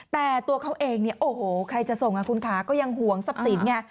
แต่ตัวเขาเองเนี่ยโอ้โหใครจะส่งคุณค้าก็ยังห่วงทรัพย์สินไง